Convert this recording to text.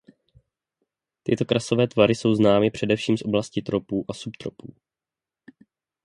Tyto krasové tvary jsou známy především z oblasti tropů a subtropů.